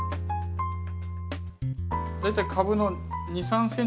大体株の２３ｃｍ。